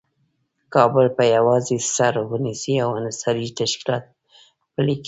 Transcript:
کابل په یوازې سر ونیسي او انحصاري تشکیلات پلي کړي.